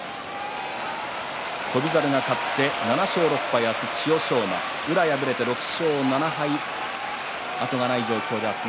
翔猿が勝って７勝６敗、宇良、敗れて６勝７敗後がない状況です。